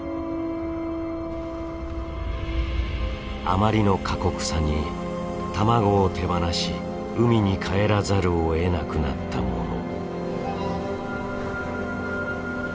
あまりの過酷さに卵を手放し海に帰らざるをえなくなったもの。